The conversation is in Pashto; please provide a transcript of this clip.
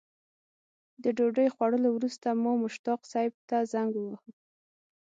د ډوډۍ خوړلو وروسته مو مشتاق صیب ته زنګ وواهه.